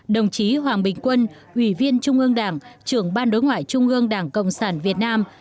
đồng chí hoàng bình quân ủy viên trung ương đảng trưởng ban đối ngoại trung ương đảng cộng sản việt nam